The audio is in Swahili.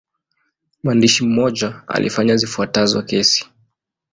Mwandishi mmoja alifanya zifuatazo kesi.